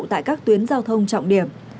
tại các tuyến giao thông trọng điểm